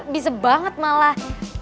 bisa banget malah